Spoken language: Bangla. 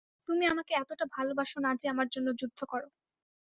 তুমি আমাকে এতটা ভালোবাসো না যে আমার জন্য যুদ্ধ কর।